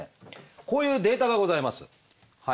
こういうデータがございます。